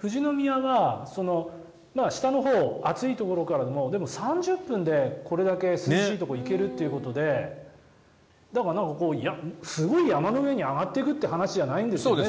富士宮が下のほう、暑いところからでも３０分でこれだけ涼しいところに行けるということでだから、すごい山の上に上がっていくという話じゃないんですよね。